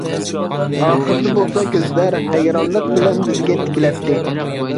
ئاخىرىدا بولسا كۆزلەر ھەيرانلىق بىلەن بىزگە تىكىلەتتى.